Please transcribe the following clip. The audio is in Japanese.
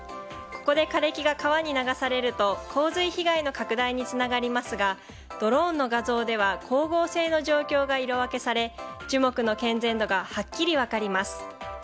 ここで枯れ木が川に流されると洪水被害の拡大につながりますがドローンの画像では光合成の状況が色分けされ樹木の健全度がはっきり分かります。